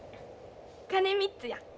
鐘３つや。